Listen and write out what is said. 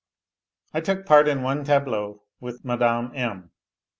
I took part in one tableau with Mrae. M.